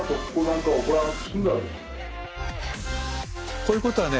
こういうことはねああ